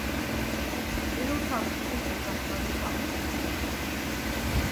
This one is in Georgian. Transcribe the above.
პირველ სართულზე შესასვლელი სამხრეთიდანაა.